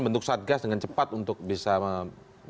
bentuk satgas dengan cepat untuk bisa membuat solusi